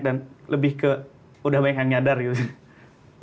dan lebih ke udah banyak yang nyadar gitu sih